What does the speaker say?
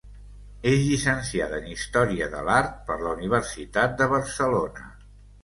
És llicenciada en Història de l'Art per la Universitat de Barcelona.